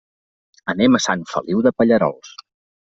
Anem a Sant Feliu de Pallerols.